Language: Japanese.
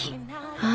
ああ。